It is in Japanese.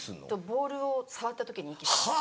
ボールを触った時に息です。